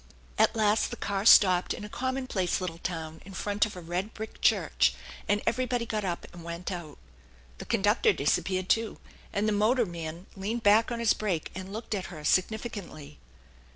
At last the car stopped in a commonplace little town in front of a red brick church, and everybody got up and went THE ENCHANTED BARN V out. The conductor disappeared, too, and the motorman leaned back on his brake and looked at her significantly.